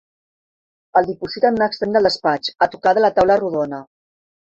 El diposita en un extrem del despatx, a tocar de la taula rodona.